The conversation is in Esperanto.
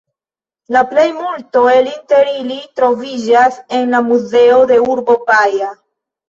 La plejmulto el inter ili troviĝas en la muzeo de urbo Baja.